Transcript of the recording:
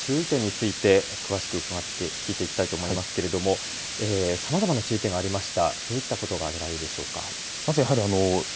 では、このあとの注意点について詳しく聞いていきたいとおもいますけどもさまざまな注意点ありました。